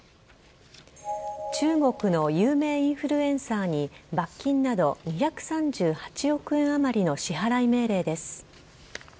中国の有名インフルエンサーに、罰金など２３８億円余りの支払い命令です。